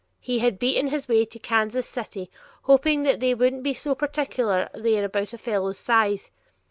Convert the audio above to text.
He had beaten his way to Kansas City, hoping "they wouldn't be so particular there about a fellow's size."